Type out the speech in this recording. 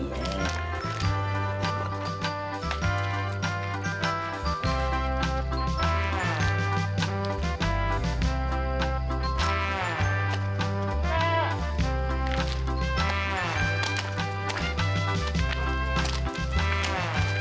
selamat siang bang